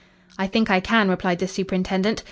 "I think I can," replied the superintendent.